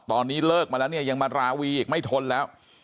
ตอนนี้เลิกมาแล้วเนี่ยยังมาราวีอีกไม่ทนแล้ว